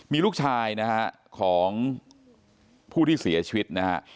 มีลูกชายของผู้ที่เสียชีวิต